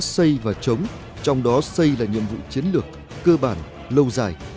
xây và chống trong đó xây là nhiệm vụ chiến lược cơ bản lâu dài